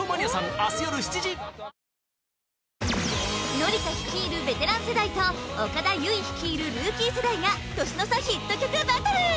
紀香率いるベテラン世代と岡田結実率いるルーキー世代が年の差ヒット曲バトル！